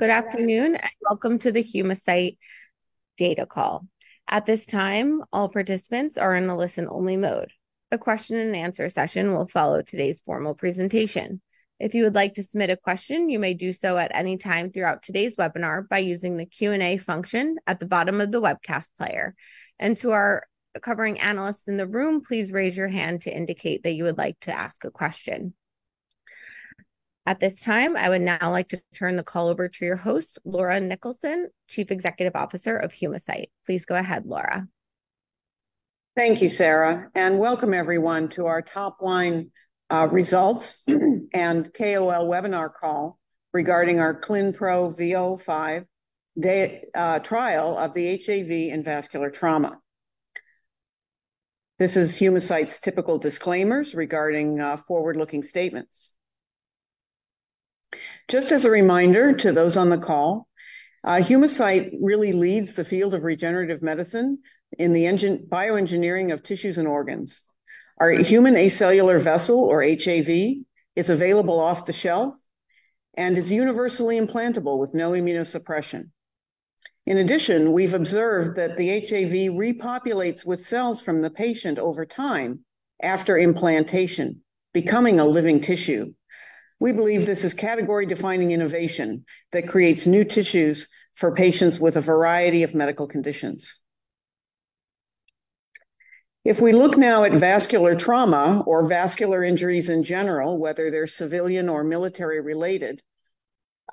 Good afternoon, and welcome to the Humacyte Data Call. At this time, all participants are in a listen-only mode. A question and answer session will follow today's formal presentation. If you would like to submit a question, you may do so at any time throughout today's webinar by using the Q&A function at the bottom of the webcast player. To our covering analysts in the room, please raise your hand to indicate that you would like to ask a question. At this time, I would now like to turn the call over to your host, Laura Niklason, Chief Executive Officer of Humacyte. Please go ahead, Laura. Thank you, Sarah, and welcome everyone to our top-line results and KOL webinar call regarding our V005 trial of the HAV in vascular trauma. This is Humacyte's typical disclaimers regarding forward-looking statements. Just as a reminder to those on the call, Humacyte really leads the field of regenerative medicine in the bioengineering of tissues and organs. Our Human Acellular Vessel, or HAV, is available off the shelf and is universally implantable with no immunosuppression. In addition, we've observed that the HAV repopulates with cells from the patient over time after implantation, becoming a living tissue. We believe this is category-defining innovation that creates new tissues for patients with a variety of medical conditions. If we look now at vascular trauma or vascular injuries in general, whether they're civilian or military-related,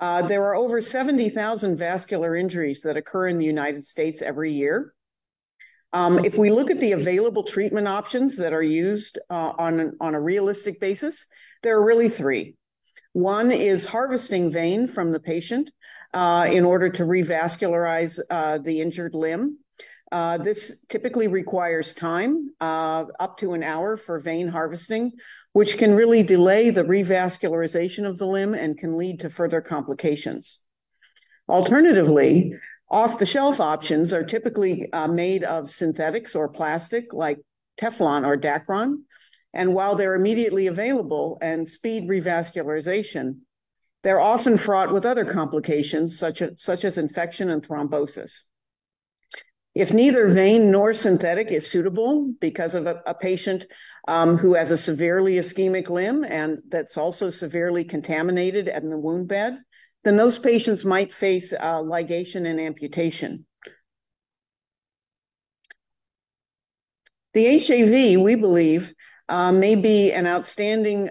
there are over 70,000 vascular injuries that occur in the United States every year. If we look at the available treatment options that are used, on a realistic basis, there are really three. One is harvesting vein from the patient, in order to revascularize, the injured limb. This typically requires time, up to an hour for vein harvesting, which can really delay the revascularization of the limb and can lead to further complications. Alternatively, off-the-shelf options are typically made of synthetics or plastic, like Teflon or Dacron, and while they're immediately available and speed revascularization, they're often fraught with other complications, such as infection and thrombosis. If neither vein nor synthetic is suitable because of a patient who has a severely ischemic limb and that's also severely contaminated in the wound bed, then those patients might face ligation and amputation. The HAV, we believe, may be an outstanding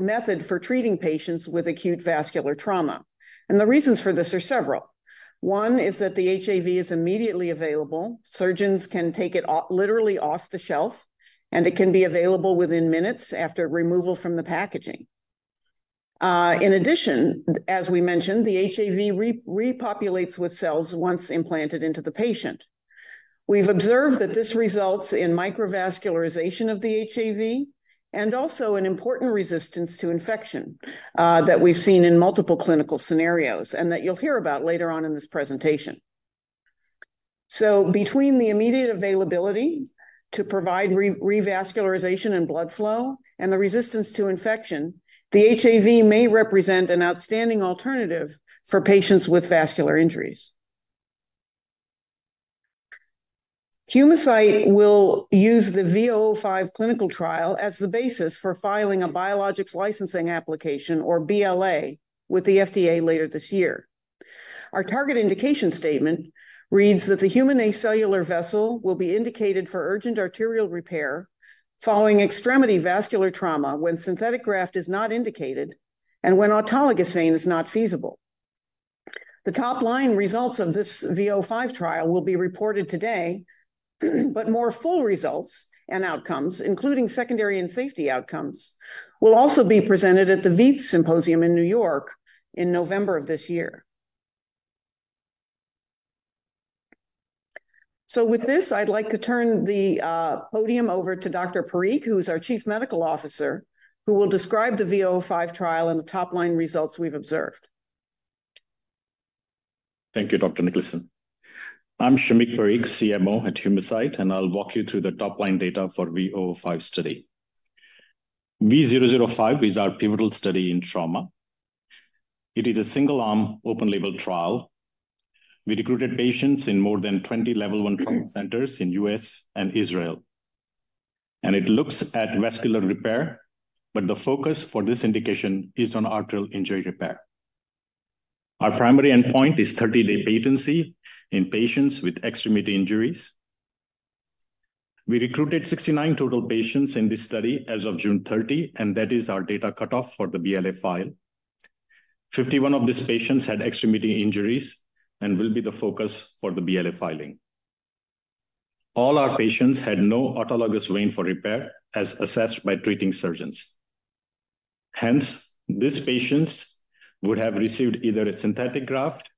method for treating patients with acute vascular trauma, and the reasons for this are several. One is that the HAV is immediately available. Surgeons can take it literally off the shelf, and it can be available within minutes after removal from the packaging. In addition, as we mentioned, the HAV repopulates with cells once implanted into the patient. We've observed that this results in microvascularization of the HAV and also an important resistance to infection that we've seen in multiple clinical scenarios and that you'll hear about later on in this presentation. So between the immediate availability to provide revascularization and blood flow and the resistance to infection, the HAV may represent an outstanding alternative for patients with vascular injuries. Humacyte will use the V005 clinical trial as the basis for filing a Biologics Licensing Application, or BLA, with the FDA later this year. Our target indication statement reads that: The Human Acellular Vessel will be indicated for urgent arterial repair following extremity vascular trauma when synthetic graft is not indicated and when autologous vein is not feasible. The top-line results of this V005 trial will be reported today, but more full results and outcomes, including secondary and safety outcomes, will also be presented at the VEITH Symposium in New York in November of this year. So with this, I'd like to turn the podium over to Dr. Parikh, who's our Chief Medical Officer, who will describe the V005 trial and the top-line results we've observed. Thank you, Dr. Niklason. I'm Shamik Parikh, CMO at Humacyte, and I'll walk you through the top-line data for V005 study. V005 is our pivotal study in trauma. It is a single-arm, open-label trial. We recruited patients in more than 20 Level I trauma centers in U.S. and Israel, and it looks at vascular repair, but the focus for this indication is on arterial injury repair. Our primary endpoint is 30-day patency in patients with extremity injuries. We recruited 69 total patients in this study as of June 30, and that is our data cutoff for the BLA file. 51 of these patients had extremity injuries and will be the focus for the BLA filing. All our patients had no autologous vein for repair, as assessed by treating surgeons. Hence, these patients would have received either a synthetic graft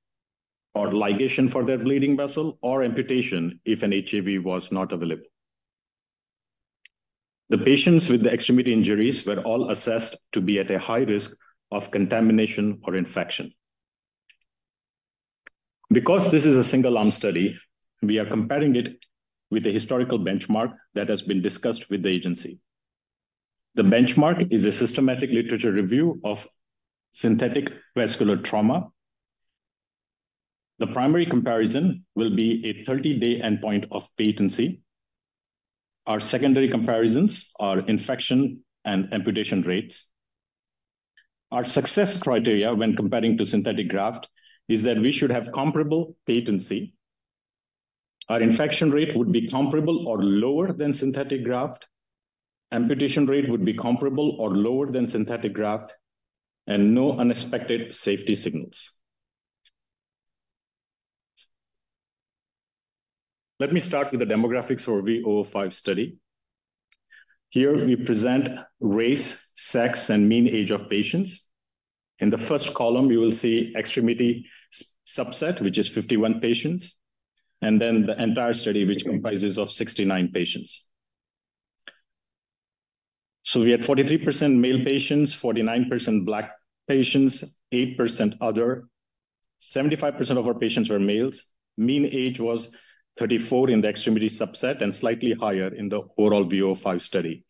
or ligation for their bleeding vessel or amputation if an HAV was not available. The patients with the extremity injuries were all assessed to be at a high risk of contamination or infection.... Because this is a single-arm study, we are comparing it with a historical benchmark that has been discussed with the agency. The benchmark is a systematic literature review of synthetic vascular trauma. The primary comparison will be a 30-day endpoint of patency. Our secondary comparisons are infection and amputation rates. Our success criteria when comparing to synthetic graft is that we should have comparable patency. Our infection rate would be comparable or lower than synthetic graft. Amputation rate would be comparable or lower than synthetic graft, and no unexpected safety signals. Let me start with the demographics for V005 study. Here we present race, sex, and mean age of patients. In the first column, you will see extremity subset, which is 51 patients, and then the entire study, which comprises of 69 patients. So we had 43% male patients, 49% Black patients, 8% other. 75% of our patients were males. Mean age was 34 in the extremity subset and slightly higher in the overall V005 study.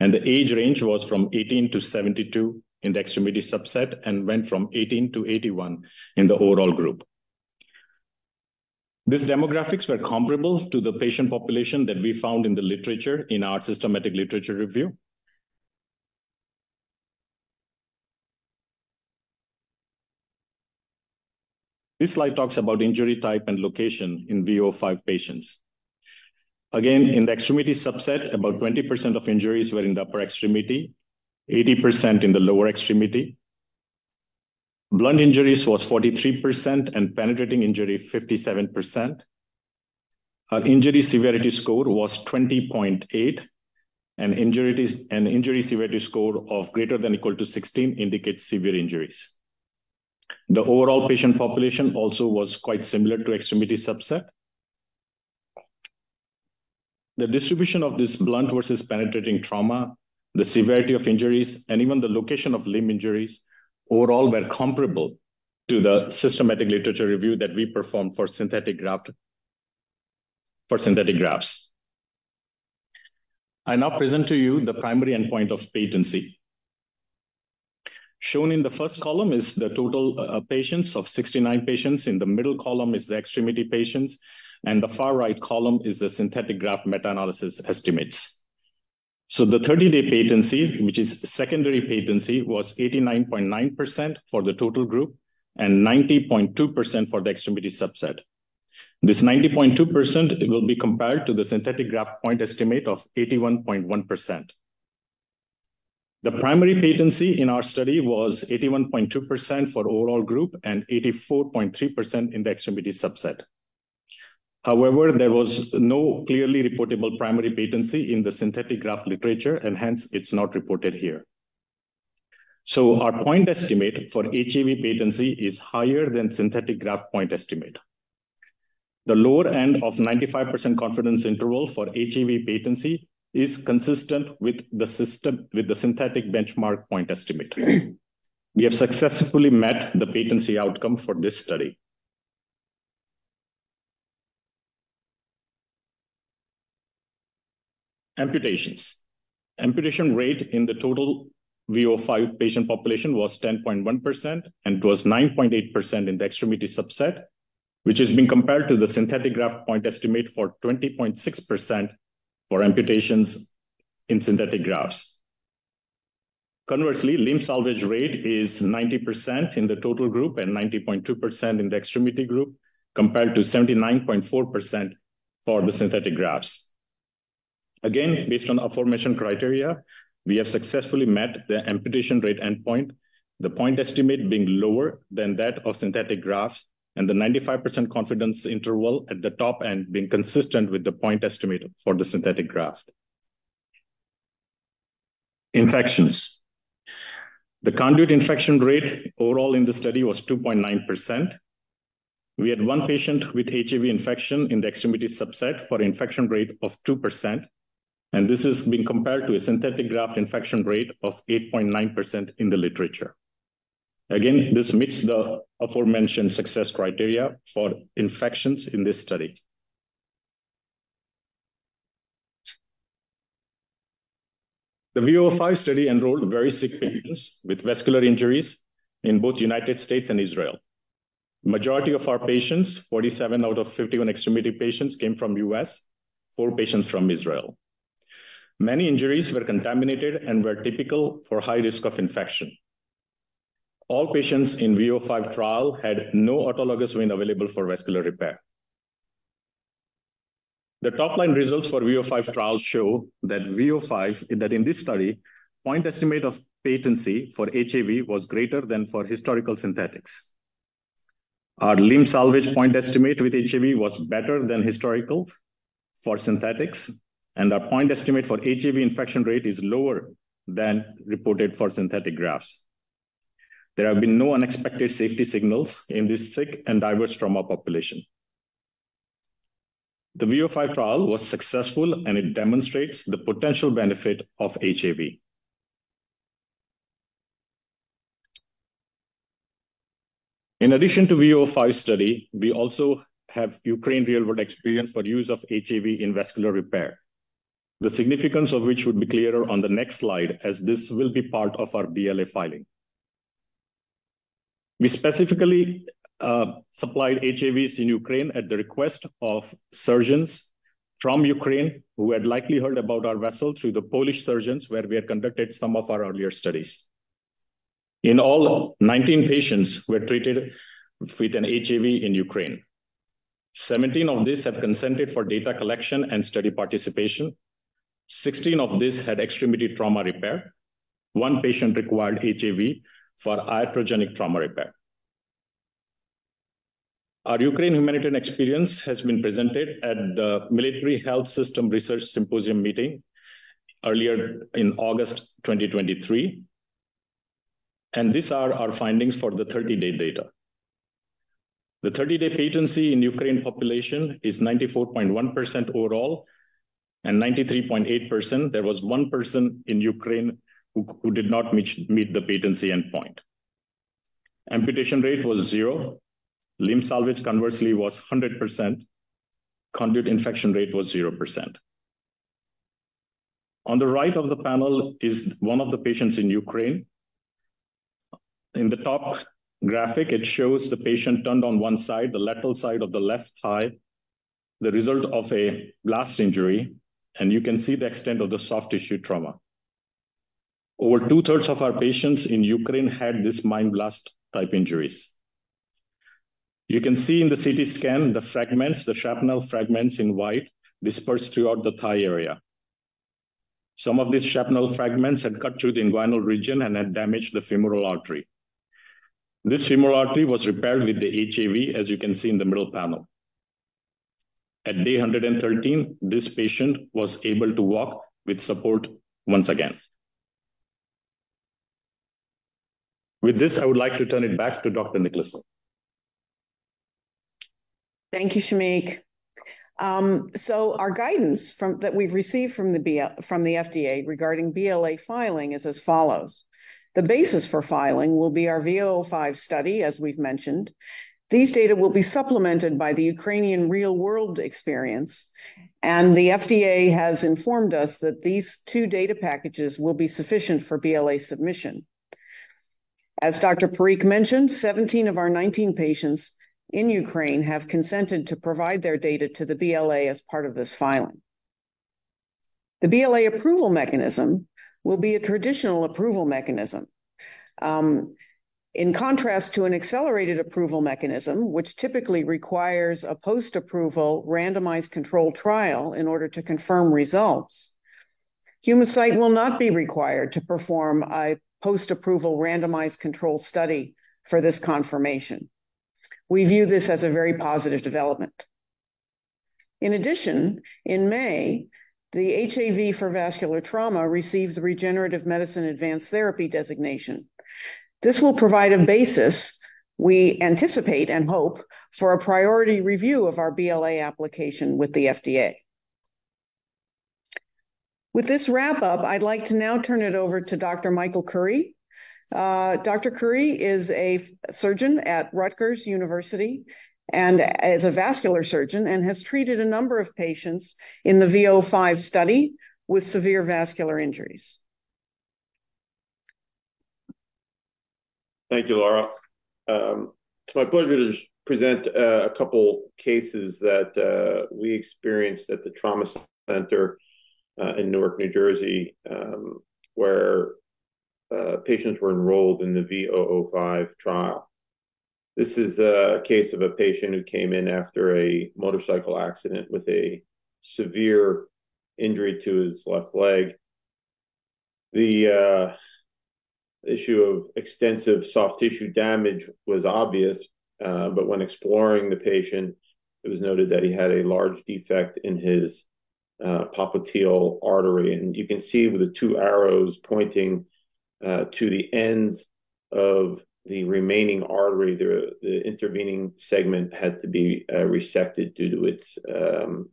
And the age range was from 18-72 in the extremity subset and went from 18-81 in the overall group. These demographics were comparable to the patient population that we found in the literature in our systematic literature review. This slide talks about injury type and location in V005 patients. Again, in the extremity subset, about 20% of injuries were in the upper extremity, 80% in the lower extremity. Blunt injuries was 43% and penetrating injury, 57%. Our Injury Severity Score was 20.8, and an Injury Severity Score of greater than or equal to 16 indicates severe injuries. The overall patient population also was quite similar to extremity subset. The distribution of this blunt versus penetrating trauma, the severity of injuries, and even the location of limb injuries overall were comparable to the systematic literature review that we performed for synthetic grafts. I now present to you the primary endpoint of patency. Shown in the first column is the total, patients of 69 patients, in the middle column is the extremity patients, and the far right column is the synthetic graft meta-analysis estimates. So the 30-day patency, which is secondary patency, was 89.9% for the total group and 90.2% for the extremity subset. This 90.2% will be compared to the synthetic graft point estimate of 81.1%. The primary patency in our study was 81.2% for overall group and 84.3% in the extremity subset. However, there was no clearly reportable primary patency in the synthetic graft literature, and hence it's not reported here. So our point estimate for HAV patency is higher than synthetic graft point estimate. The lower end of 95% confidence interval for HAV patency is consistent with the synthetic benchmark point estimate. We have successfully met the patency outcome for this study. Amputations. Amputation rate in the total V005 patient population was 10.1%, and it was 9.8% in the extremity subset, which has been compared to the synthetic graft point estimate for 20.6% for amputations in synthetic grafts. Conversely, limb salvage rate is 90% in the total group and 90.2% in the extremity group, compared to 79.4% for the synthetic grafts. Again, based on the aforementioned criteria, we have successfully met the amputation rate endpoint, the point estimate being lower than that of synthetic grafts, and the 95% confidence interval at the top end being consistent with the point estimate for the synthetic graft. Infections. The conduit infection rate overall in the study was 2.9%. We had one patient with HIV infection in the extremity subset for infection rate of 2%, and this is being compared to a synthetic graft infection rate of 8.9% in the literature. Again, this meets the aforementioned success criteria for infections in this study. The V005 study enrolled very sick patients with vascular injuries in both United States and Israel. Majority of our patients, 47 out of 51 extremity patients, came from U.S., four patients from Israel. Many injuries were contaminated and were typical for high risk of infection. All patients in V005 trial had no autologous vein available for vascular repair. The top-line results for V005 trial show that V005, that in this study, point estimate of patency for HAV was greater than for historical synthetics. Our limb salvage point estimate with HAV was better than historical for synthetics, and our point estimate for HAV infection rate is lower than reported for synthetic grafts. There have been no unexpected safety signals in this sick and diverse trauma population. The V005 trial was successful, and it demonstrates the potential benefit of HAV.... In addition to V005 study, we also have Ukraine real-world experience for use of HAV in vascular repair. The significance of which would be clearer on the next slide, as this will be part of our BLA filing. We specifically supplied HAVs in Ukraine at the request of surgeons from Ukraine, who had likely heard about our vessel through the Polish surgeons, where we had conducted some of our earlier studies. In all, 19 patients were treated with an HAV in Ukraine. 17 of these have consented for data collection and study participation. 16 of these had extremity trauma repair. One patient required HAV for iatrogenic trauma repair. Our Ukraine humanitarian experience has been presented at the Military Health System Research Symposium meeting earlier in August 2023, and these are our findings for the 30-day data. The 30-day patency in Ukraine population is 94.1% overall, and 93.8%; there was one person in Ukraine who did not meet the patency endpoint. Amputation rate was 0. Limb salvage, conversely, was 100%. Conduit infection rate was 0%. On the right of the panel is one of the patients in Ukraine. In the top graphic, it shows the patient turned on one side, the lateral side of the left thigh, the result of a blast injury, and you can see the extent of the soft tissue trauma. Over two-thirds of our patients in Ukraine had this mine blast type injuries. You can see in the CT scan the fragments, the shrapnel fragments in white, dispersed throughout the thigh area. Some of these shrapnel fragments had cut through the inguinal region and had damaged the femoral artery. This femoral artery was repaired with the HAV, as you can see in the middle panel. At day 113, this patient was able to walk with support once again. With this, I would like to turn it back to Dr. Niklason. Thank you, Shamik. So our guidance from that we've received from the FDA regarding BLA filing is as follows: The basis for filing will be our V005 study, as we've mentioned. These data will be supplemented by the Ukrainian real-world experience, and the FDA has informed us that these two data packages will be sufficient for BLA submission. As Dr. Parikh mentioned, 17 of our 19 patients in Ukraine have consented to provide their data to the BLA as part of this filing. The BLA approval mechanism will be a traditional approval mechanism. In contrast to an accelerated approval mechanism, which typically requires a post-approval randomized controlled trial in order to confirm results, Humacyte will not be required to perform a post-approval randomized controlled study for this confirmation. We view this as a very positive development. In addition, in May, the HAV for vascular trauma received the Regenerative Medicine Advanced Therapy designation. This will provide a basis we anticipate and hope for a priority review of our BLA application with the FDA. With this wrap-up, I'd like to now turn it over to Dr. Michael Curi. Dr. Curi is a surgeon at Rutgers University, and is a vascular surgeon and has treated a number of patients in the V005 study with severe vascular injuries. Thank you, Laura. It's my pleasure to just present a couple cases that we experienced at the trauma center in Newark, New Jersey, where patients were enrolled in the V005 trial. This is a case of a patient who came in after a motorcycle accident with a severe injury to his left leg. The issue of extensive soft tissue damage was obvious, but when exploring the patient, it was noted that he had a large defect in his popliteal artery. And you can see with the two arrows pointing to the ends of the remaining artery, the intervening segment had to be resected due to its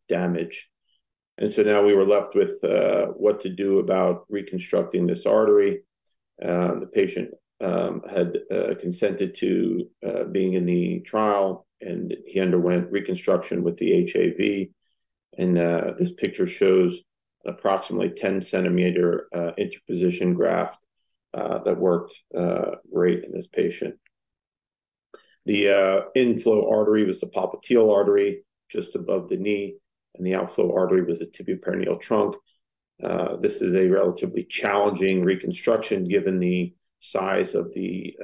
damage. And so now we were left with what to do about reconstructing this artery. The patient had consented to being in the trial, and he underwent reconstruction with the HAV. And this picture shows approximately 10-centimeter interposition graft that worked great in this patient. The inflow artery was the popliteal artery just above the knee, and the outflow artery was the tibial-peroneal trunk. This is a relatively challenging reconstruction given the size of the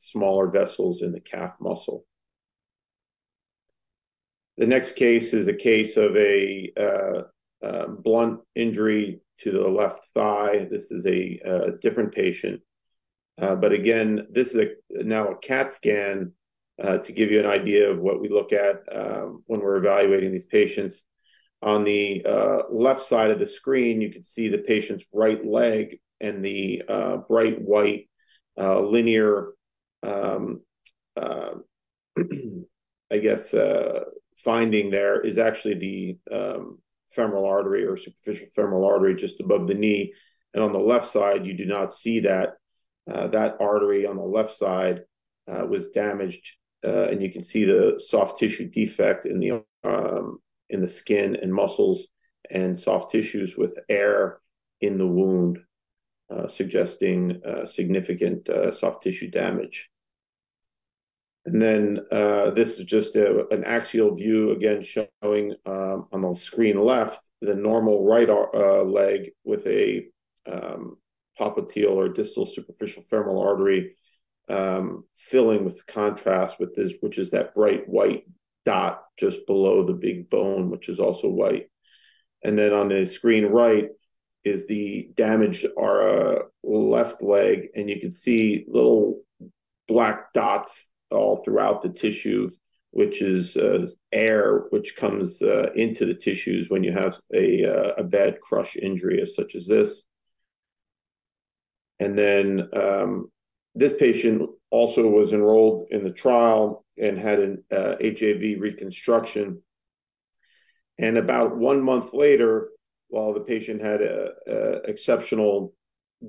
smaller vessels in the calf muscle. The next case is a case of a blunt injury to the left thigh. This is a different patient. But again, this is now a CAT scan to give you an idea of what we look at when we're evaluating these patients. On the left side of the screen, you can see the patient's right leg and the bright white linear, I guess, finding there is actually the femoral artery or superficial femoral artery just above the knee. On the left side, you do not see that artery on the left side was damaged. You can see the soft tissue defect in the skin and muscles and soft tissues with air in the wound suggesting significant soft tissue damage. Then this is just an axial view, again, showing on the screen left, the normal right leg with a popliteal or distal superficial femoral artery filling with contrast with this, which is that bright white dot just below the big bone, which is also white. Then on the screen right is the damaged right, left leg, and you can see little black dots all throughout the tissue, which is air, which comes into the tissues when you have a bad crush injury such as this. Then this patient also was enrolled in the trial and had an HAV reconstruction. And about one month later, while the patient had a exceptional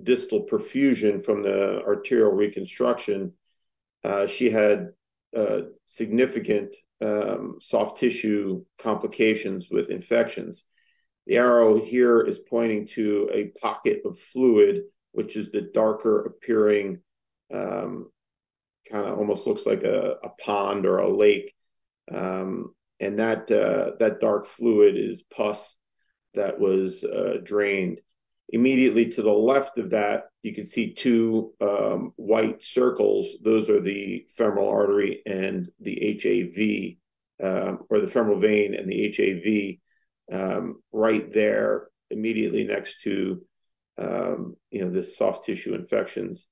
distal perfusion from the arterial reconstruction, she had significant soft tissue complications with infections. The arrow here is pointing to a pocket of fluid, which is the darker appearing kind of almost looks like a pond or a lake. And that dark fluid is pus that was drained. Immediately to the left of that, you can see two white circles. Those are the femoral artery and the HAV, or the femoral vein and the HAV, right there immediately next to, you know, the soft tissue infections.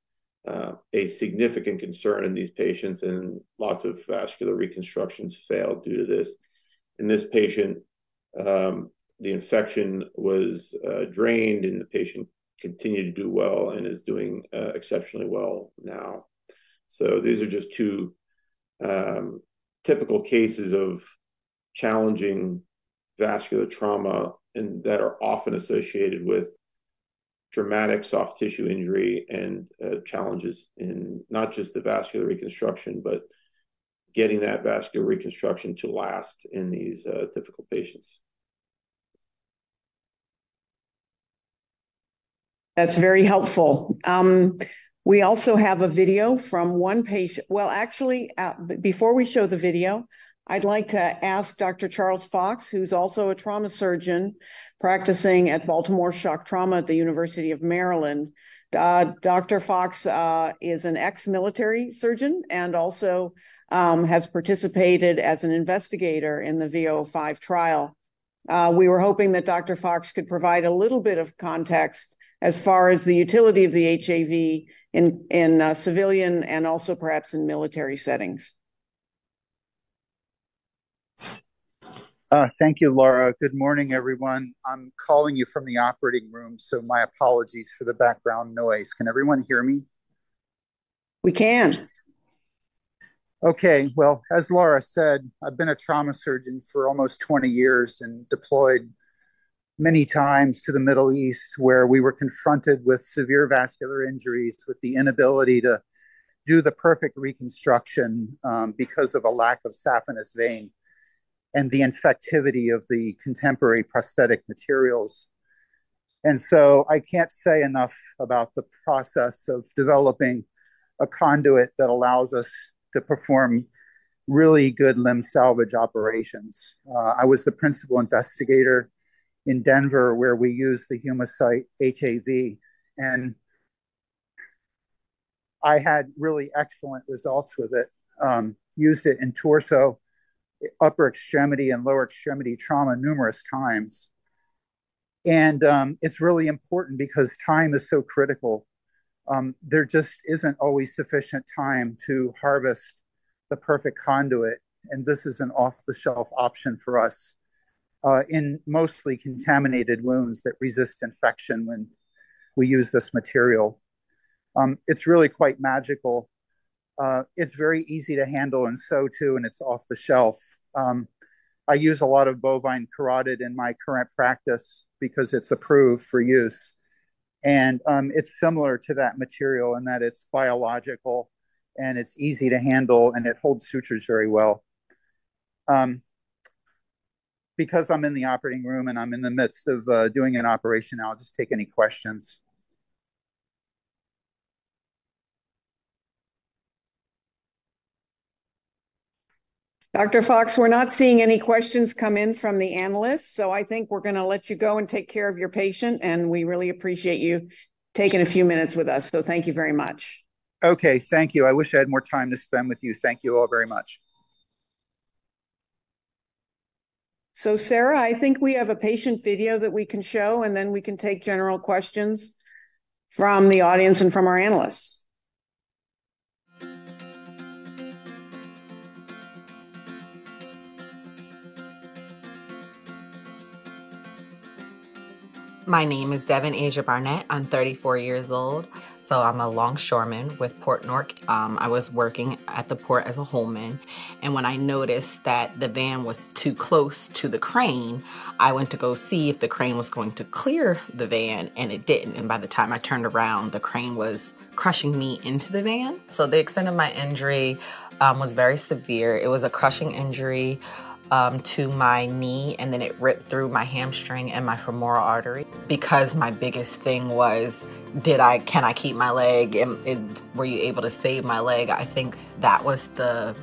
A significant concern in these patients, and lots of vascular reconstructions fail due to this. In this patient, the infection was drained, and the patient continued to do well and is doing exceptionally well now. So these are just two typical cases of challenging vascular trauma and that are often associated with dramatic soft tissue injury and challenges in not just the vascular reconstruction, but getting that vascular reconstruction to last in these difficult patients. That's very helpful. We also have a video from one patient. Well, actually, before we show the video, I'd like to ask Dr. Charles Fox, who's also a trauma surgeon practicing at Baltimore Shock Trauma at the University of Maryland. Dr. Fox is an ex-military surgeon and also has participated as an investigator in the V005 trial. We were hoping that Dr. Fox could provide a little bit of context as far as the utility of the HAV in civilian and also perhaps in military settings. Thank you, Laura. Good morning, everyone. I'm calling you from the operating room, so my apologies for the background noise. Can everyone hear me? We can. Okay. Well, as Laura said, I've been a trauma surgeon for almost 20 years and deployed many times to the Middle East, where we were confronted with severe vascular injuries, with the inability to do the perfect reconstruction, because of a lack of saphenous vein and the infectivity of the contemporary prosthetic materials. And so I can't say enough about the process of developing a conduit that allows us to perform really good limb salvage operations. I was the principal investigator in Denver, where we used the Humacyte HAV, and I had really excellent results with it. Used it in torso, upper extremity, and lower extremity trauma numerous times. And, it's really important because time is so critical. There just isn't always sufficient time to harvest the perfect conduit, and this is an off-the-shelf option for us, in mostly contaminated wounds that resist infection when we use this material. It's really quite magical. It's very easy to handle and sew, too, and it's off the shelf. I use a lot of bovine carotid in my current practice because it's approved for use, and it's similar to that material in that it's biological, and it's easy to handle, and it holds sutures very well. Because I'm in the operating room and I'm in the midst of doing an operation now, I'll just take any questions. Dr. Fox, we're not seeing any questions come in from the analysts, so I think we're gonna let you go and take care of your patient, and we really appreciate you taking a few minutes with us. Thank you very much. Okay, thank you. I wish I had more time to spend with you. Thank you all very much. So, Sarah, I think we have a patient video that we can show, and then we can take general questions from the audience and from our analysts. My name is Devin Asia Barnett. I'm 34 years old, so I'm a longshoreman with Port Newark. I was working at the port as a holdman, and when I noticed that the van was too close to the crane, I went to go see if the crane was going to clear the van, and it didn't. And by the time I turned around, the crane was crushing me into the van. So the extent of my injury was very severe. It was a crushing injury to my knee, and then it ripped through my hamstring and my femoral artery. Because my biggest thing was, can I keep my leg? And were you able to save my leg? I think that was the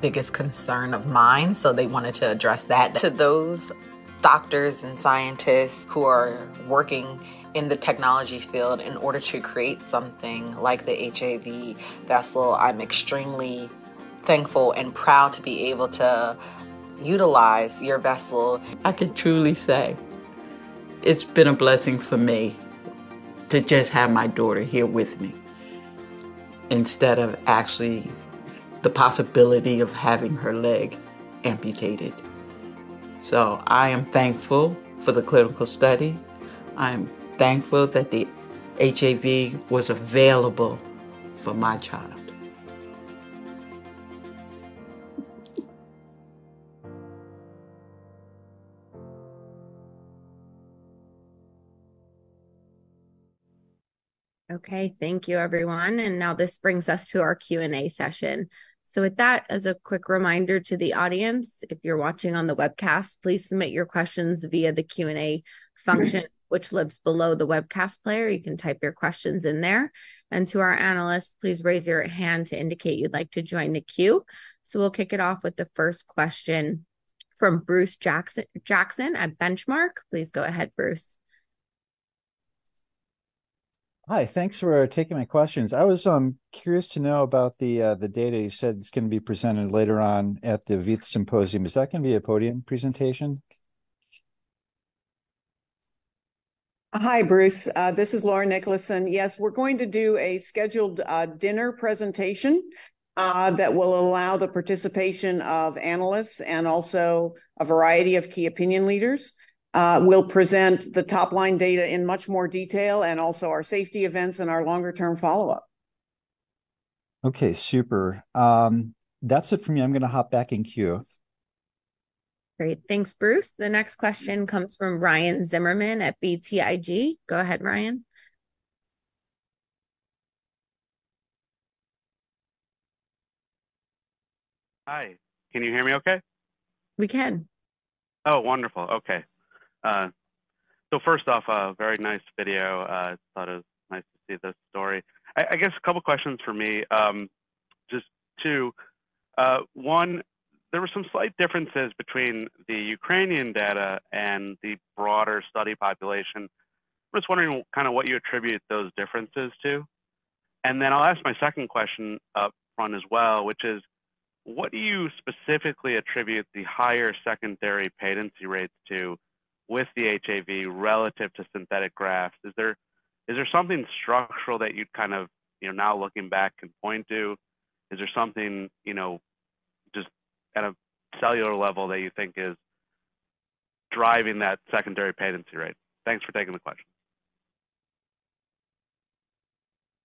biggest concern of mine, so they wanted to address that. To those doctors and scientists who are working in the technology field in order to create something like the HAV vessel, I'm extremely thankful and proud to be able to utilize your vessel. I can truly say it's been a blessing for me to just have my daughter here with me, instead of actually the possibility of having her leg amputated. So I am thankful for the clinical study. I'm thankful that the HAV was available for my child. Okay, thank you, everyone, and now this brings us to our Q&A session. So with that, as a quick reminder to the audience, if you're watching on the webcast, please submit your questions via the Q&A function, which lives below the webcast player. You can type your questions in there. And to our analysts, please raise your hand to indicate you'd like to join the queue. So we'll kick it off with the first question from Bruce Jackson at Benchmark. Please go ahead, Bruce. Hi, thanks for taking my questions. I was curious to know about the, the data you said is going to be presented later on at the VEITH Symposium. Is that going to be a podium presentation? Hi, Bruce. This is Laura Niklason. Yes, we're going to do a scheduled dinner presentation that will allow the participation of analysts and also a variety of key opinion leaders. We'll present the top-line data in much more detail, and also our safety events and our longer-term follow-up. Okay, super. That's it for me. I'm going to hop back in queue. Great. Thanks, Bruce. The next question comes from Ryan Zimmerman at BTIG. Go ahead, Ryan. Hi, can you hear me okay? We can. Oh, wonderful. Okay. So first off, a very nice video. I thought it was nice to see this story. I guess a couple questions for me, just two. One, there were some slight differences between the Ukrainian data and the broader study population. I'm just wondering kind of what you attribute those differences to? And then I'll ask my second question up front as well, which is: What do you specifically attribute the higher secondary patency rates to with the HAV relative to synthetic grafts? Is there something structural that you'd kind of, you know, now looking back, can point to? Is there something, you know, just at a cellular level that you think is driving that secondary patency rate? Thanks for taking the question.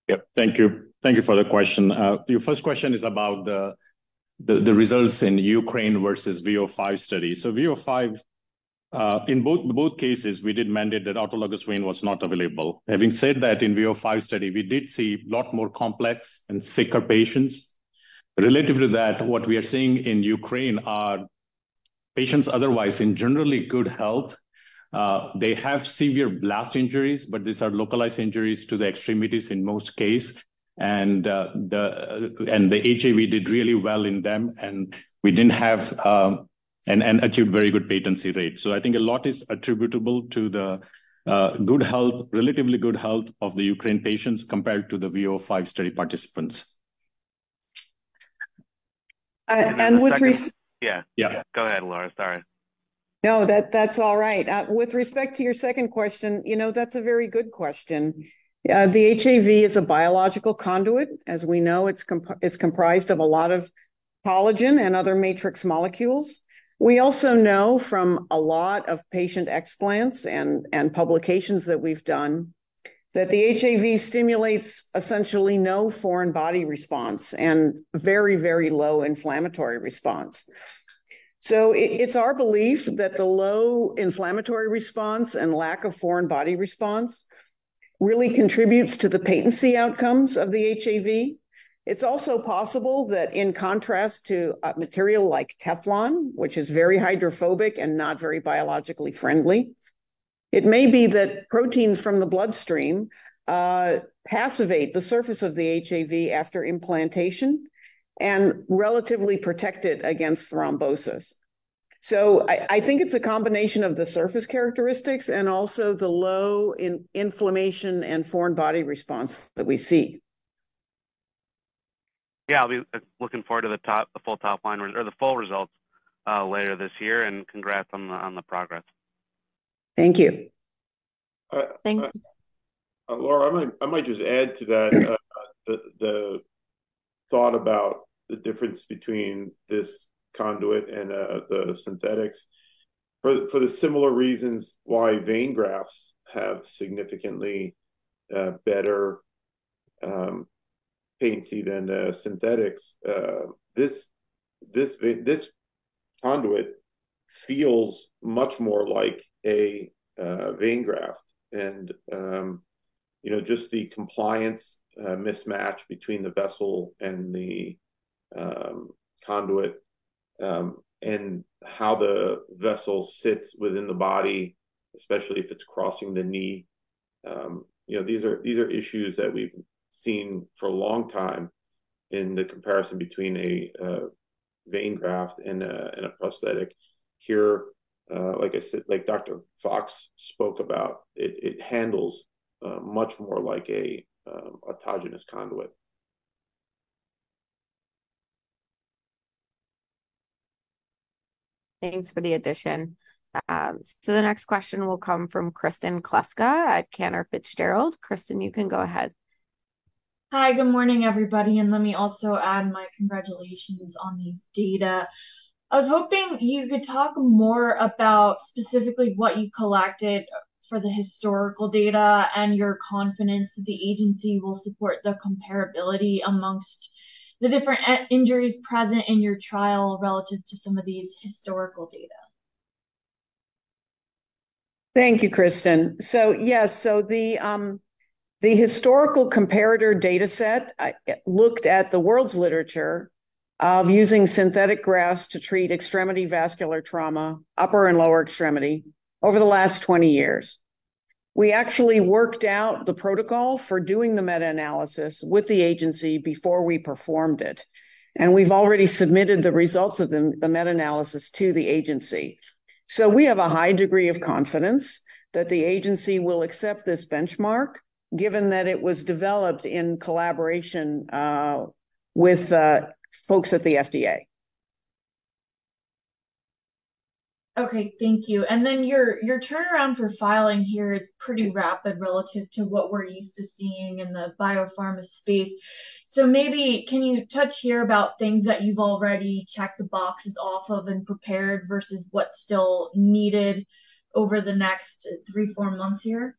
Yep, thank you. Thank you for the question. Your first question is about the results in Ukraine versus V005 study. So V005, in both cases, we did mandate that autologous vein was not available. Having said that, in V005 study, we did see a lot more complex and sicker patients. Relative to that, what we are seeing in Ukraine are patients otherwise in generally good health. They have severe blast injuries, but these are localized injuries to the extremities in most case, and the HAV did really well in them, and we didn't have. And achieved very good patency rate. So I think a lot is attributable to the good health, relatively good health of the Ukraine patients compared to the V005 study participants. And with res- Yeah. Yeah. Go ahead, Laura. Sorry. No, that, that's all right. With respect to your second question, you know, that's a very good question. The HAV is a biological conduit. As we know, it's comprised of a lot of collagen and other matrix molecules. We also know from a lot of patient explants and publications that we've done, that the HAV stimulates essentially no foreign body response and very, very low inflammatory response. So it's our belief that the low inflammatory response and lack of foreign body response really contributes to the patency outcomes of the HAV. It's also possible that in contrast to material like Teflon, which is very hydrophobic and not very biologically friendly, it may be that proteins from the bloodstream passivate the surface of the HAV after implantation and relatively protect it against thrombosis. So I think it's a combination of the surface characteristics and also the low inflammation and foreign body response that we see. Yeah, I'll be looking forward to the full top line or the full results later this year, and congrats on the progress. Thank you. Thank you. Laura, I might just add to that. The thought about the difference between this conduit and the synthetics. For the similar reasons why vein grafts have significantly better patency than the synthetics, this conduit feels much more like a vein graft. And you know, just the compliance mismatch between the vessel and the conduit, and how the vessel sits within the body, especially if it's crossing the knee. You know, these are issues that we've seen for a long time in the comparison between a vein graft and a prosthetic. Here, like I said, like Dr. Fox spoke about, it handles much more like an autogenous conduit. Thanks for the addition. So the next question will come from Kristen Kluska at Cantor Fitzgerald. Kristen, you can go ahead. Hi. Good morning, everybody, and let me also add my congratulations on these data. I was hoping you could talk more about specifically what you collected for the historical data and your confidence that the agency will support the comparability among the different extremity injuries present in your trial relative to some of these historical data. Thank you, Kristen. Yes, the historical comparator dataset, I looked at the world's literature of using synthetic grafts to treat extremity vascular trauma, upper and lower extremity, over the last 20 years. We actually worked out the protocol for doing the meta-analysis with the agency before we performed it, and we've already submitted the results of the meta-analysis to the agency. So we have a high degree of confidence that the agency will accept this benchmark, given that it was developed in collaboration with folks at the FDA. Okay, thank you. And then your, your turnaround for filing here is pretty rapid relative to what we're used to seeing in the biopharma space. So maybe can you touch here about things that you've already checked the boxes off of and prepared versus what's still needed over the next 3-4 months here?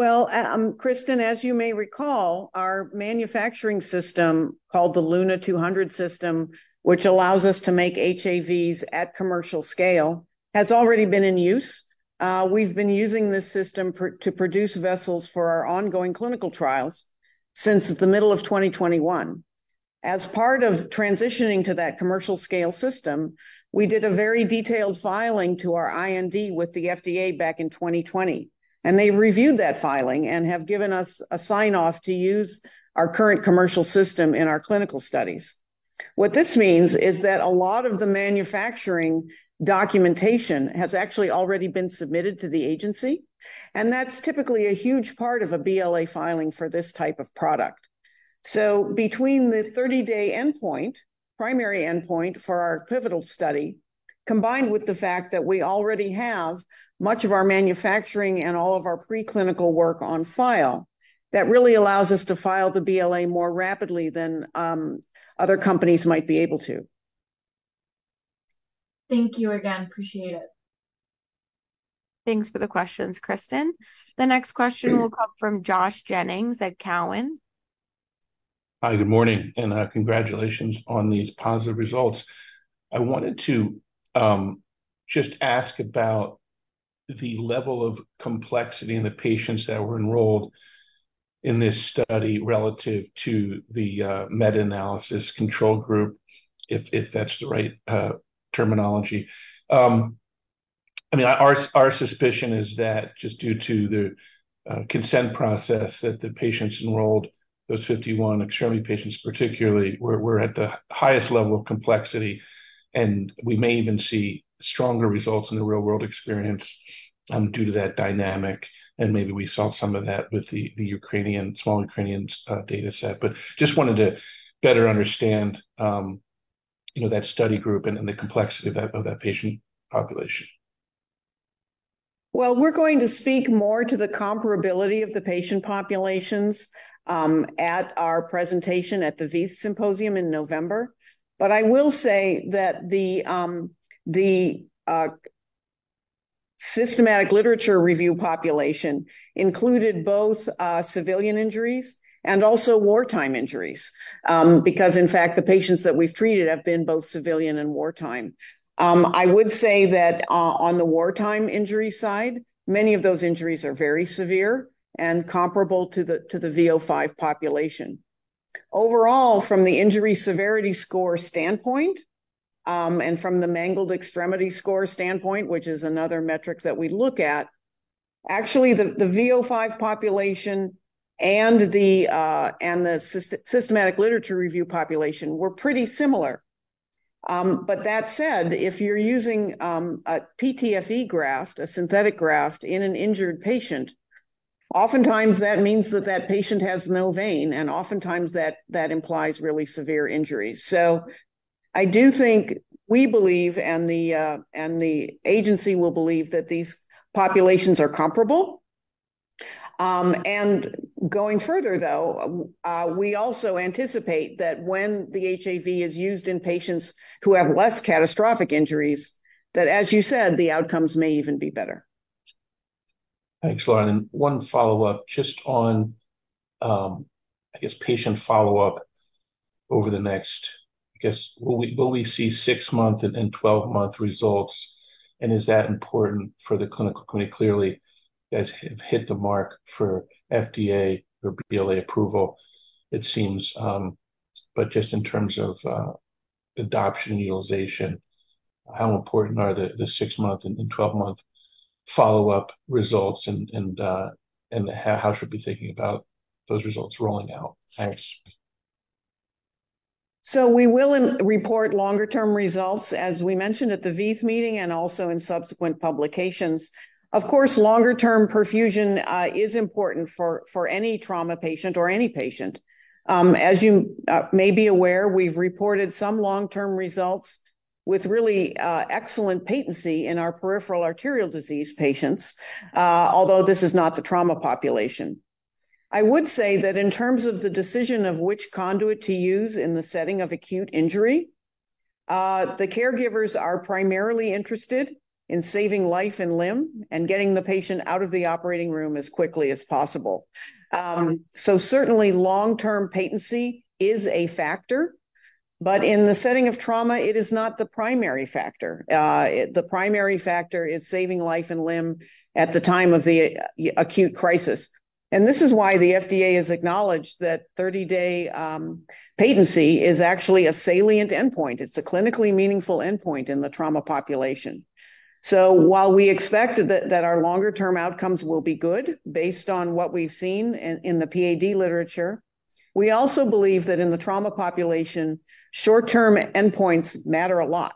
Well, Kristen, as you may recall, our manufacturing system, called the Luna 200 system, which allows us to make HAVs at commercial scale, has already been in use. We've been using this system to produce vessels for our ongoing clinical trials since the middle of 2021. As part of transitioning to that commercial scale system, we did a very detailed filing to our IND with the FDA back in 2020, and they reviewed that filing and have given us a sign-off to use our current commercial system in our clinical studies. What this means is that a lot of the manufacturing documentation has actually already been submitted to the agency, and that's typically a huge part of a BLA filing for this type of product. Between the 30-day endpoint, primary endpoint for our pivotal study, combined with the fact that we already have much of our manufacturing and all of our preclinical work on file, that really allows us to file the BLA more rapidly than other companies might be able to. Thank you again. Appreciate it. Thanks for the questions, Kristen. The next question- Sure. will come from Josh Jennings at Cowen. Hi, good morning, and, congratulations on these positive results. I wanted to, just ask about the level of complexity in the patients that were enrolled in this study relative to the, meta-analysis control group, if that's the right, terminology. I mean, our suspicion is that just due to the, consent process, that the patients enrolled, those 51 extremity patients particularly, were at the highest level of complexity, and we may even see stronger results in the real-world experience, due to that dynamic, and maybe we saw some of that with the, Ukrainian, small Ukrainian, dataset. But just wanted to better understand, you know, that study group and, the complexity of that, patient population. Well, we're going to speak more to the comparability of the patient populations at our presentation at the VEITH Symposium in November. But I will say that the systematic literature review population included both civilian injuries and also wartime injuries because, in fact, the patients that we've treated have been both civilian and wartime. I would say that on the wartime injury side, many of those injuries are very severe and comparable to the V005 population. Overall, from the Injury Severity Score standpoint and from the Mangled Extremity Severity Score standpoint, which is another metric that we look at, actually, the V005 population and the systematic literature review population were pretty similar. But that said, if you're using a PTFE graft, a synthetic graft, in an injured patient, oftentimes that means that that patient has no vein, and oftentimes that, that implies really severe injuries. So I do think we believe, and the, and the agency will believe that these populations are comparable. And going further, though, we also anticipate that when the HAV is used in patients who have less catastrophic injuries, that, as you said, the outcomes may even be better. Thanks, Laura. One follow-up just on, I guess, patient follow-up over the next, I guess, will we see six-month and twelve-month results? Is that important for the clinical committee? Clearly, you guys have hit the mark for FDA or BLA approval, it seems. But just in terms of adoption and utilization, how important are the six-month and twelve-month follow-up results? And how should we be thinking about those results rolling out? Thanks. So we will report longer-term results, as we mentioned at the VEITH meeting and also in subsequent publications. Of course, longer-term perfusion is important for any trauma patient or any patient. As you may be aware, we've reported some long-term results with really excellent patency in our peripheral arterial disease patients, although this is not the trauma population. I would say that in terms of the decision of which conduit to use in the setting of acute injury, the caregivers are primarily interested in saving life and limb, and getting the patient out of the operating room as quickly as possible. Certainly long-term patency is a factor, but in the setting of trauma, it is not the primary factor. The primary factor is saving life and limb at the time of the acute crisis. This is why the FDA has acknowledged that 30-day patency is actually a salient endpoint. It's a clinically meaningful endpoint in the trauma population. While we expect that our longer-term outcomes will be good based on what we've seen in the PAD literature, we also believe that in the trauma population, short-term endpoints matter a lot.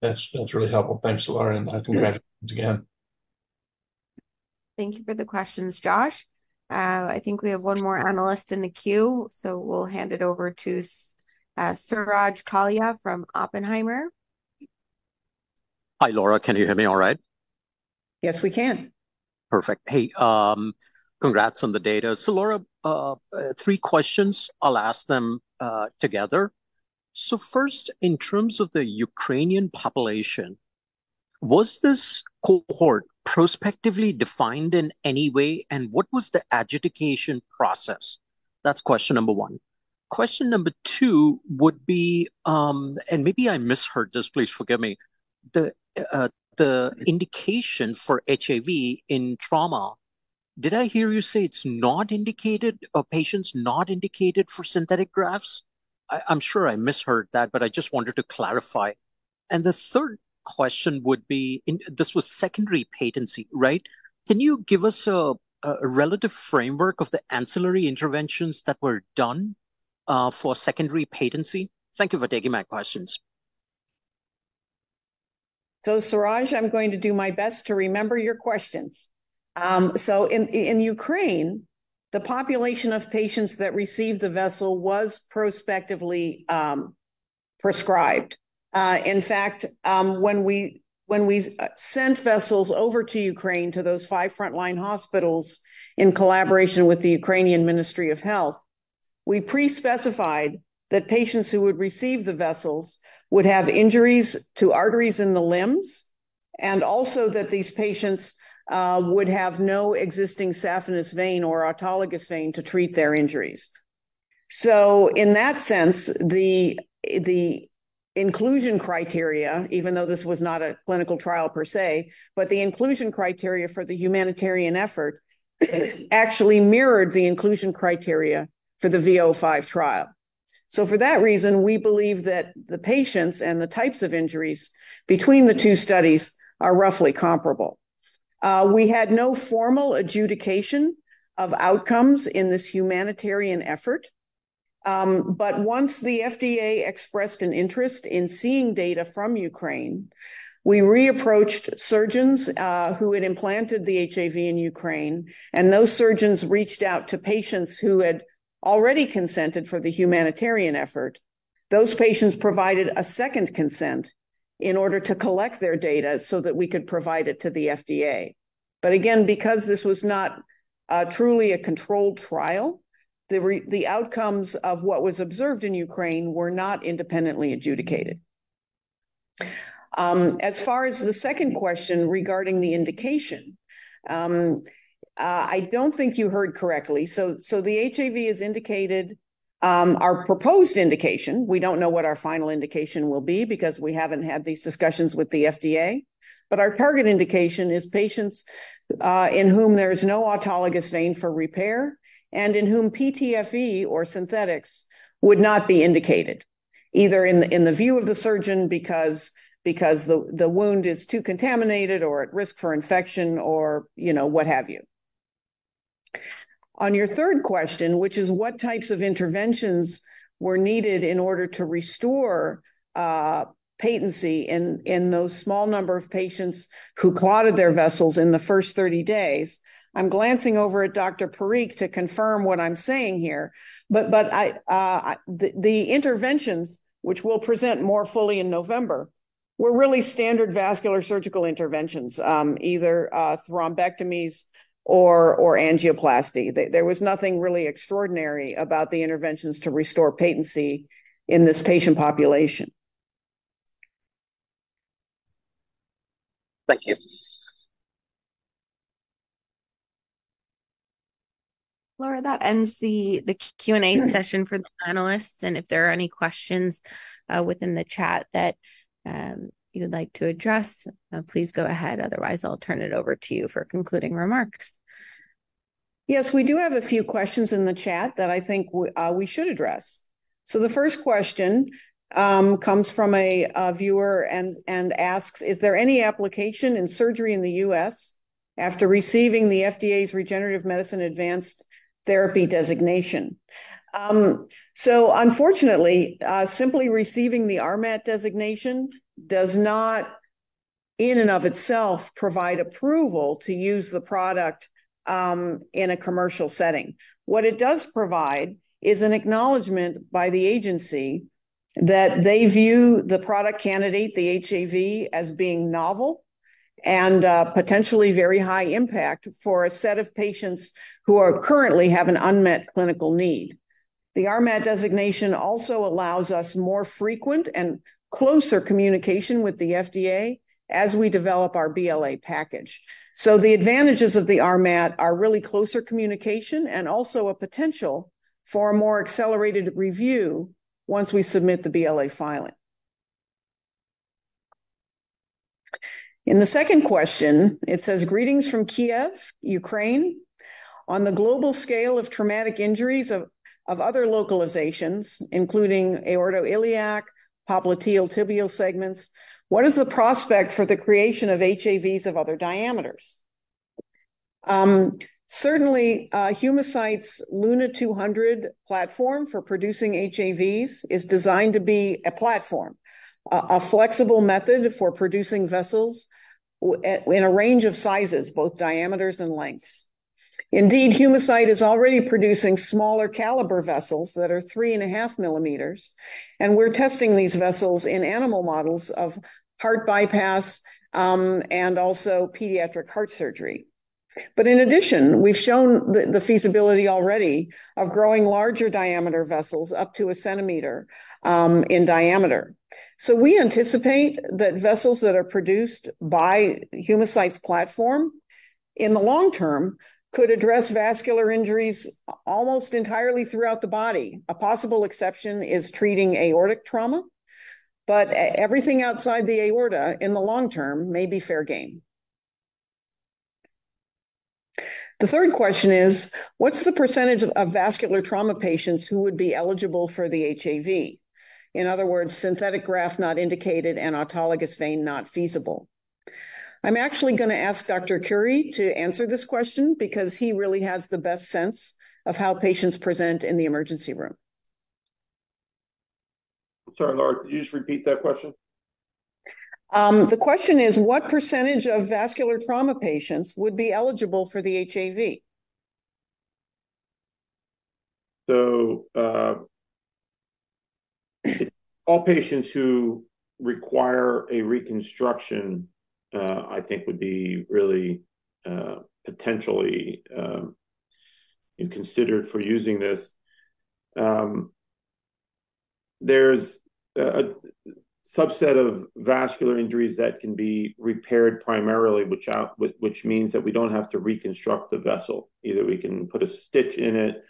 Yes, that's really helpful. Thanks, Laura, and congratulations again. Thank you for the questions, Josh. I think we have one more analyst in the queue, so we'll hand it over to Suraj Kalia from Oppenheimer. Hi, Laura. Can you hear me all right? Yes, we can. Perfect. Hey, congrats on the data. So, Laura, three questions. I'll ask them together. So first, in terms of the Ukrainian population, was this cohort prospectively defined in any way, and what was the adjudication process? That's question number one. Question number two would be... And maybe I misheard this. Please forgive me. The indication for HAV in trauma, did I hear you say it's not indicated, or patients not indicated for synthetic grafts? I'm sure I misheard that, but I just wanted to clarify. And the third question would be, this was secondary patency, right? Can you give us a relative framework of the ancillary interventions that were done for secondary patency? Thank you for taking my questions. So, Suraj, I'm going to do my best to remember your questions. So in Ukraine, the population of patients that received the vessel was prospectively prescribed. In fact, when we sent vessels over to Ukraine, to those five frontline hospitals, in collaboration with the Ukrainian Ministry of Health, we pre-specified that patients who would receive the vessels would have injuries to arteries in the limbs, and also that these patients would have no existing saphenous vein or autologous vein to treat their injuries. So in that sense, the inclusion criteria, even though this was not a clinical trial per se, but the inclusion criteria for the humanitarian effort actually mirrored the inclusion criteria for the V005 trial. So for that reason, we believe that the patients and the types of injuries between the two studies are roughly comparable. We had no formal adjudication of outcomes in this humanitarian effort. But once the FDA expressed an interest in seeing data from Ukraine, we reapproached surgeons who had implanted the HAV in Ukraine, and those surgeons reached out to patients who had already consented for the humanitarian effort. Those patients provided a second consent in order to collect their data so that we could provide it to the FDA. But again, because this was not truly a controlled trial, the outcomes of what was observed in Ukraine were not independently adjudicated. As far as the second question regarding the indication, I don't think you heard correctly. So, the HAV is indicated. Our proposed indication, we don't know what our final indication will be because we haven't had these discussions with the FDA. But our target indication is patients in whom there is no autologous vein for repair, and in whom PTFE or synthetics would not be indicated, either in the view of the surgeon because the wound is too contaminated or at risk for infection or, you know, what have you. On your third question, which is what types of interventions were needed in order to restore patency in those small number of patients who clotted their vessels in the first 30 days? I'm glancing over at Dr. Parikh to confirm what I'm saying here, but the interventions, which we'll present more fully in November, were really standard vascular surgical interventions, either thrombectomies or angioplasty. There was nothing really extraordinary about the interventions to restore patency in this patient population. Thank you. Laura, that ends the Q&A session for the panelists, and if there are any questions within the chat that you would like to address, please go ahead. Otherwise, I'll turn it over to you for concluding remarks. Yes, we do have a few questions in the chat that I think we, we should address. So the first question comes from a viewer and asks: Is there any application in surgery in the US after receiving the FDA's Regenerative Medicine Advanced Therapy designation? So unfortunately, simply receiving the RMAT designation does not, in and of itself, provide approval to use the product in a commercial setting. What it does provide is an acknowledgment by the agency that they view the product candidate, the HAV, as being novel and potentially very high impact for a set of patients who are currently have an unmet clinical need. The RMAT designation also allows us more frequent and closer communication with the FDA as we develop our BLA package. So the advantages of the RMAT are really closer communication and also a potential for a more accelerated review once we submit the BLA filing. In the second question, it says, "Greetings from Kyiv, Ukraine. On the global scale of traumatic injuries of other localizations, including aortoiliac, popliteal tibial segments, what is the prospect for the creation of HAVs of other diameters?" Certainly, Humacyte's Luna 200 platform for producing HAVs is designed to be a platform, a flexible method for producing vessels in a range of sizes, both diameters and lengths. Indeed, Humacyte is already producing smaller caliber vessels that are 3.5 millimeters, and we're testing these vessels in animal models of heart bypass and also pediatric heart surgery. But in addition, we've shown the feasibility already of growing larger diameter vessels up to a centimeter in diameter. So we anticipate that vessels that are produced by Humacyte's platform, in the long term, could address vascular injuries almost entirely throughout the body. A possible exception is treating aortic trauma, but everything outside the aorta, in the long term, may be fair game. The third question is: What's the percentage of vascular trauma patients who would be eligible for the HAV? In other words, synthetic graft not indicated and autologous vein not feasible. I'm actually gonna ask Dr. Curi to answer this question because he really has the best sense of how patients present in the emergency room. Sorry, Laura, could you just repeat that question? The question is, what percentage of vascular trauma patients would be eligible for the HAV? So, all patients who require a reconstruction, I think would be really, potentially, you know, considered for using this. There's a subset of vascular injuries that can be repaired primarily, which means that we don't have to reconstruct the vessel. Either we can put a stitch in it,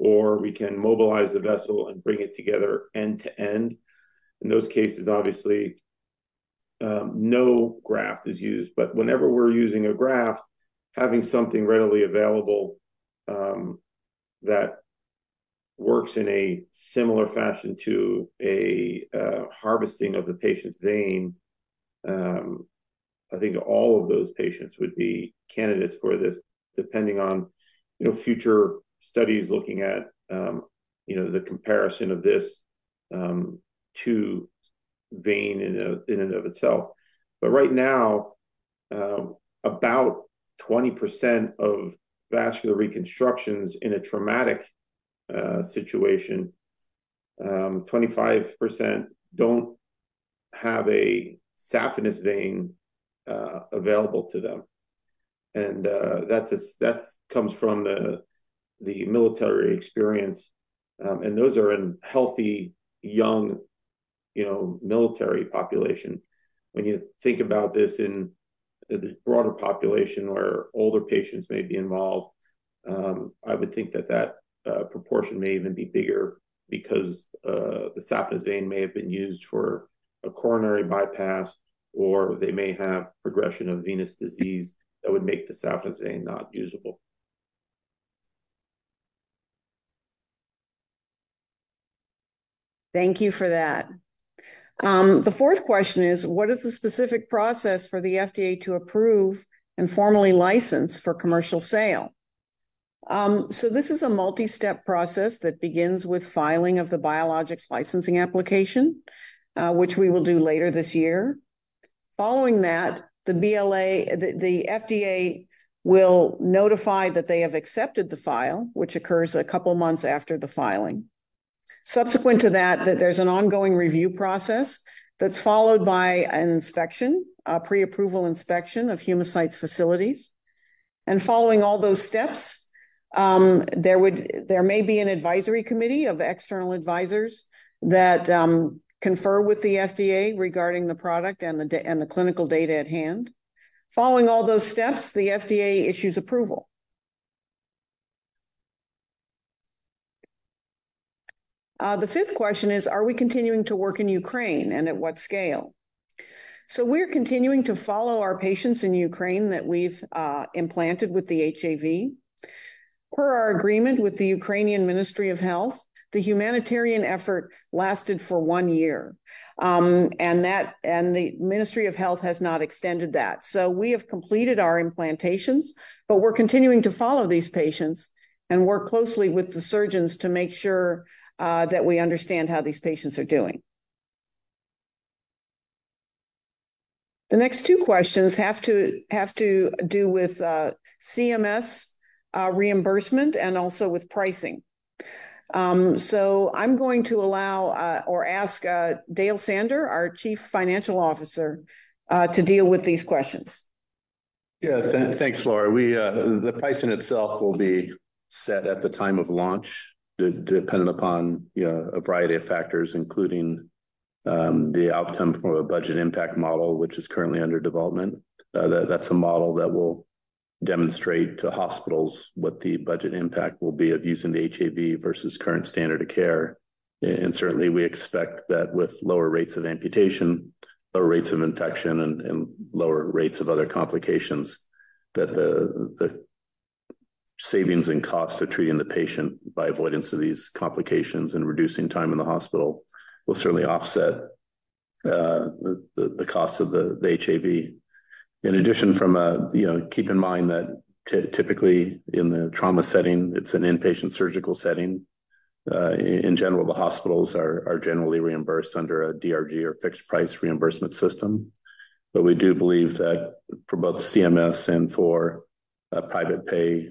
or we can mobilize the vessel and bring it together end to end. In those cases, obviously, no graft is used. But whenever we're using a graft, having something readily available, that works in a similar fashion to a harvesting of the patient's vein, I think all of those patients would be candidates for this, depending on, you know, future studies looking at, you know, the comparison of this, to vein in and of itself. But right now, about 20% of vascular reconstructions in a traumatic situation, 25% don't have a saphenous vein available to them. And that's that comes from the military experience. And those are in healthy, young, you know, military population. When you think about this in the broader population, where older patients may be involved, I would think that that proportion may even be bigger because the saphenous vein may have been used for a coronary bypass, or they may have progression of venous disease that would make the saphenous vein not usable. Thank you for that. The fourth question is: What is the specific process for the FDA to approve and formally license for commercial sale? So this is a multi-step process that begins with filing of the Biologics License Application, which we will do later this year. Following that, the BLA, the FDA will notify that they have accepted the file, which occurs a couple of months after the filing. Subsequent to that, there's an ongoing review process that's followed by an inspection, a pre-approval inspection of Humacyte's facilities. Following all those steps, there may be an advisory committee of external advisors that confer with the FDA regarding the product and the clinical data at hand. Following all those steps, the FDA issues approval. The fifth question is, are we continuing to work in Ukraine, and at what scale? So we're continuing to follow our patients in Ukraine that we've implanted with the HAV. Per our agreement with the Ukrainian Ministry of Health, the humanitarian effort lasted for one year. And the Ministry of Health has not extended that. So we have completed our implantations, but we're continuing to follow these patients and work closely with the surgeons to make sure that we understand how these patients are doing. The next two questions have to do with CMS reimbursement and also with pricing. So I'm going to allow or ask Dale Sander, our Chief Financial Officer, to deal with these questions. Yeah, thanks, Laura. We, the pricing itself will be set at the time of launch, dependent upon, you know, a variety of factors, including, the outcome from a budget impact model, which is currently under development. That, that's a model that will demonstrate to hospitals what the budget impact will be of using the HAV versus current standard of care. And certainly, we expect that with lower rates of amputation, lower rates of infection, and lower rates of other complications, that the savings and costs of treating the patient by avoidance of these complications and reducing time in the hospital will certainly offset, the cost of the HAV. In addition, from a... You know, keep in mind that typically, in the trauma setting, it's an inpatient surgical setting. In general, the hospitals are generally reimbursed under a DRG or fixed-price reimbursement system. But we do believe that for both CMS and for private pay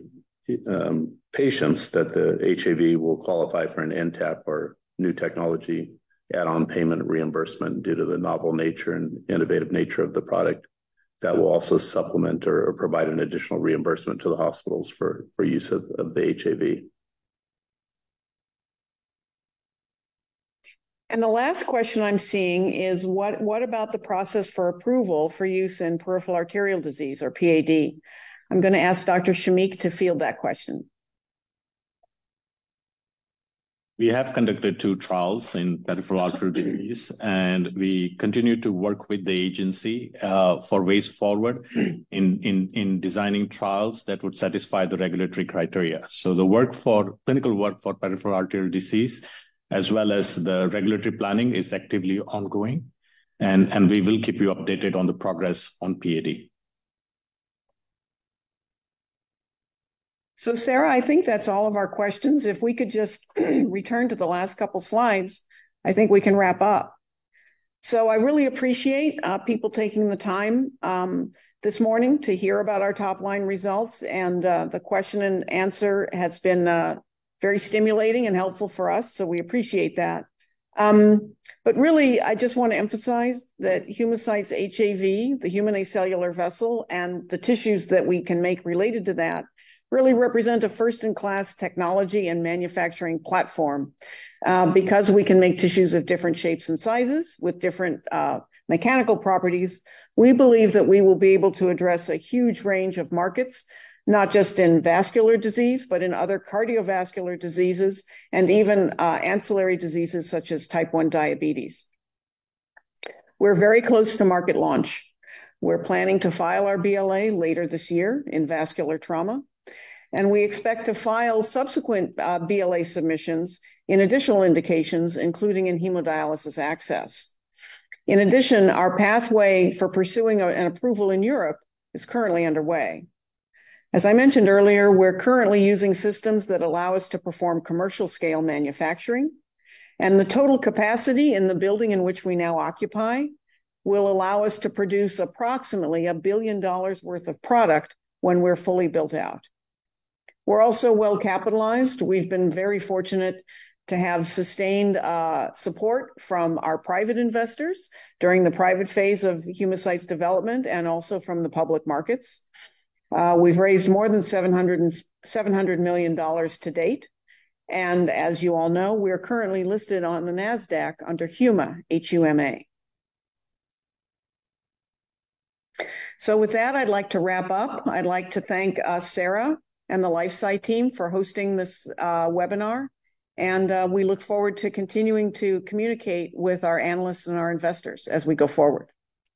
patients, that the HAV will qualify for an NTAP, or new technology add-on payment reimbursement, due to the novel nature and innovative nature of the product. That will also supplement or provide an additional reimbursement to the hospitals for use of the HAV. The last question I'm seeing is: What about the process for approval for use in peripheral arterial disease, or PAD? I'm going to ask Dr. Shamik to field that question. We have conducted two trials in Peripheral Arterial Disease, and we continue to work with the agency for ways forward in designing trials that would satisfy the regulatory criteria. So the clinical work for Peripheral Arterial Disease, as well as the regulatory planning, is actively ongoing, and we will keep you updated on the progress on PAD. So Sarah, I think that's all of our questions. If we could just return to the last couple slides, I think we can wrap up. So I really appreciate people taking the time this morning to hear about our top-line results, and the question and answer has been very stimulating and helpful for us. So we appreciate that. But really, I just want to emphasize that Humacyte's HAV, the Human Acellular Vessel, and the tissues that we can make related to that, really represent a first-in-class technology and manufacturing platform. Because we can make tissues of different shapes and sizes with different mechanical properties, we believe that we will be able to address a huge range of markets, not just in vascular disease, but in other cardiovascular diseases and even ancillary diseases, such as type 1 diabetes. We're very close to market launch. We're planning to file our BLA later this year in vascular trauma, and we expect to file subsequent BLA submissions in additional indications, including in hemodialysis access. In addition, our pathway for pursuing a approval in Europe is currently underway. As I mentioned earlier, we're currently using systems that allow us to perform commercial-scale manufacturing, and the total capacity in the building in which we now occupy will allow us to produce approximately $1 billion worth of product when we're fully built out. We're also well capitalized. We've been very fortunate to have sustained support from our private investors during the private phase of Humacyte's development and also from the public markets. We've raised more than $700 million to date, and as you all know, we are currently listed on the Nasdaq under HUMA, H-U-M-A. So with that, I'd like to wrap up. I'd like to thank Sarah and the LifeSci team for hosting this webinar, and we look forward to continuing to communicate with our analysts and our investors as we go forward.